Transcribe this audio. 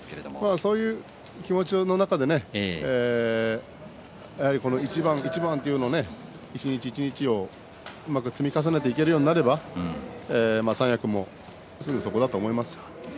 そういう気持ちの中でやはり一番一番という一日一日をうまく積み重ねていけるようになれば三役もすぐそこだと思います。